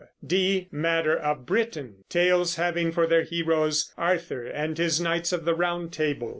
(d) Matter of Britain, tales having for their heroes Arthur and his knights of the Round Table.